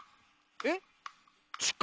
えっ？